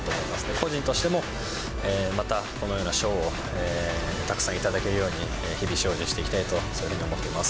個人としても、またこのような賞をたくさん頂けるように、日々精進していきたいと、そういうふうに思っています。